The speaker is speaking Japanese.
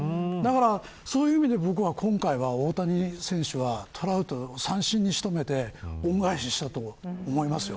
そういう意味で今回は大谷選手はトラウトを三振に仕留めて恩返ししたと思いますよ。